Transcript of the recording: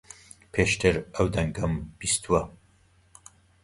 پێشتر ئەو دەنگەم بیستووە.